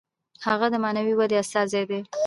هغه د معنوي ودې استازی دی.